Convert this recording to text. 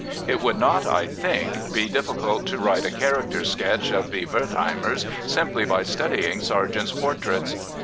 It would not, I think, be difficult to write a character sketch of the Wertheimers simply by studying Sargent's portraits.